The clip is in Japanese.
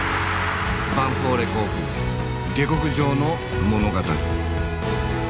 ヴァンフォーレ甲府下克上の物語。